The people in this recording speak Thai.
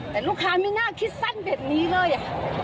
แต่ลูกค้าไม่น่าคิดสั้นแบบนี้เลย